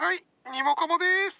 ニモカモです！